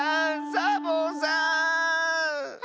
サボさん